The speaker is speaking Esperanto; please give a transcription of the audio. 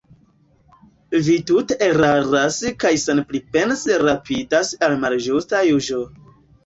Vi tute eraras kaj senpripense rapidas al malĝusta juĝo.